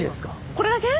これだけ？